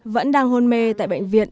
vẫn đang hôn mê tại bệnh viện